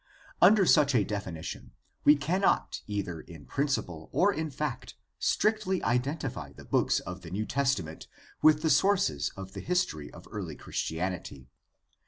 Under such a definition we cannot either in principle or in fact strictly identify the books of the New Testament with the sources of the history of early Christianity.